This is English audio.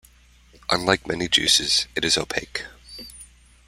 Unlike many juices, it is opaque.